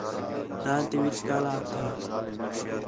دال تی وِچ کالا ہَتھے